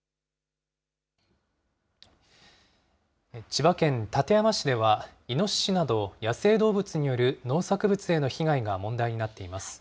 千葉県館山市では、イノシシなど野生動物による農作物への被害が問題になっています。